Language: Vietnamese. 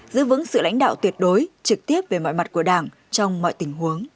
giữ vững sự lãnh đạo tuyệt đối trực tiếp về mọi mặt của đảng trong mọi tình huống